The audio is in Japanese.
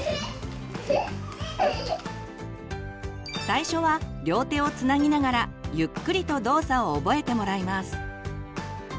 最初は両手をつなぎながらゆっくりと動作を覚えてもらいます。